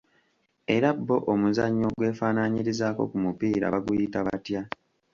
Era bo omuzannyo ogwefaanaanyiriza ku mupiira baguyita batya?